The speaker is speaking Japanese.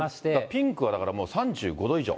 ピンクは、だからもう３５度以上。